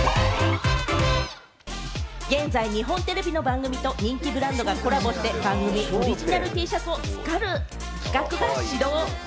現在、日本テレビの番組と人気ブランドがコラボして、番組オリジナルＴシャツを作る企画が始動。